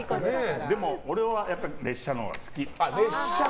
でも俺はやっぱり列車のほうが好き。